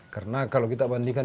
karena kalau kita bandingkan